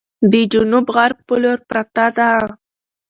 د جنوب غرب په لور پرته ده،